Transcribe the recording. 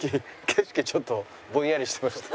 景色はちょっとぼんやりしてました。